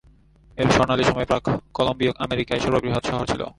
এর স্বর্ণালী সময়ে প্রাক-কলম্বীয় আমেরিকায় সর্ববৃহৎ শহর ছিল।